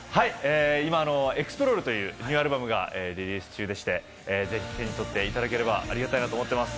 今、『ＥＸＰＬＯＲＥ』というニューアルバムがリリース中でして、ぜひ手に取っていただければと思います。